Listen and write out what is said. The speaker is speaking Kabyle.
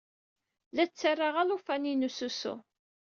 La ttarraɣ alufan-inu s usu.